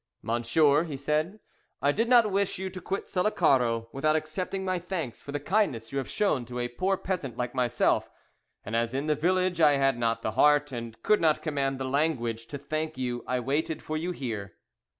"Monsieur," he said, "I did not wish you to quit Sullacaro without accepting my thanks for the kindness you have shown to a poor peasant like myself, and as in the village I had not the heart, and could not command the language, to thank you, I waited for you here."